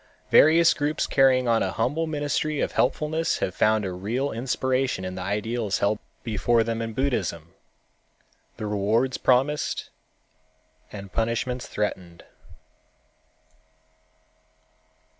Various groups carrying on a humble ministry of helpfulness have found a real inspiration in the ideals held before them in Buddhism, the rewards promised and punishments threatened.